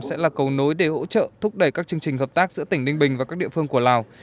sẽ là cầu nối để hỗ trợ thúc đẩy các chương trình hợp tác giữa tỉnh ninh bình và các địa phương của lào